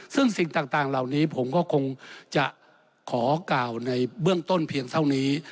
ซึ่งสิ่งต่างเหล่านี้ผมก็คงจะขอกล่าวในเบื้องต้นเพียงเท่านี้